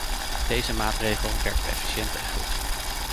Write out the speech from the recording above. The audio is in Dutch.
Deze maatregel werkt efficiënt en goed.